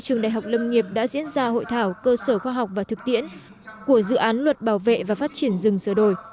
trường đại học lâm nghiệp đã diễn ra hội thảo cơ sở khoa học và thực tiễn của dự án luật bảo vệ và phát triển rừng sửa đổi